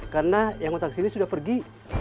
karena yang otak sini sudah pergi